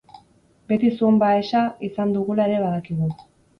Beti zuon baesa izan dugula ere badakigu.